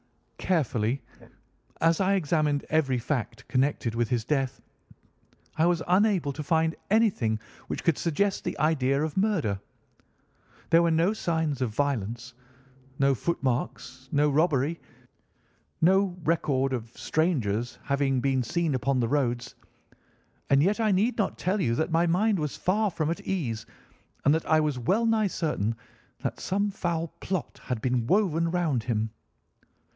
Carefully as I examined every fact connected with his death, I was unable to find anything which could suggest the idea of murder. There were no signs of violence, no footmarks, no robbery, no record of strangers having been seen upon the roads. And yet I need not tell you that my mind was far from at ease, and that I was well nigh certain that some foul plot had been woven round him.